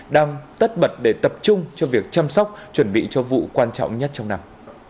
đang tất bật để tập trung cho việc chăm sóc chuẩn bị cho vụ quan trọng nhất trong năm